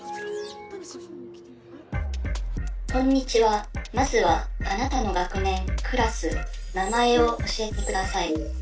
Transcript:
こんにちはまずはあなたの学年クラス名前を教えてください。